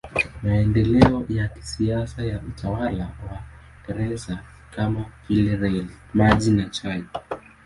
Maendeleo ya kisasa ya utawala wa Uingereza ni kama vile reli, maji na chai.